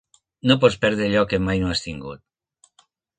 No pots perdre allò que mai no has tingut.